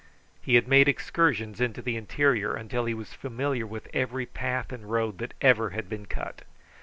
He had made excursions into the interior until he was familiar with every path and road that ever had been cut.